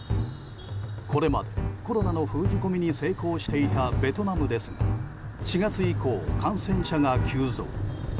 これまで、コロナの封じ込めに成功していたベトナムですが４月以降、感染者が急増。